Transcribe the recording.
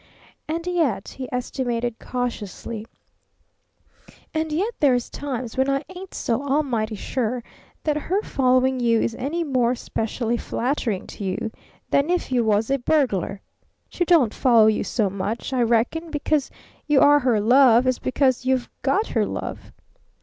"And yet " he estimated cautiously, "and yet there's times when I ain't so almighty sure that her following you is any more specially flattering to you than if you was a burglar. She don't follow you so much, I reckon, because you are her love as because you've got her love.